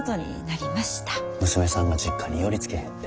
娘さんが実家に寄りつけへんて。